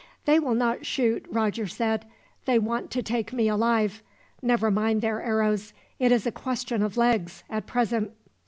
"They will not shoot," Roger said. "They want to take me alive. Never mind their arrows, it is a question of legs, at present."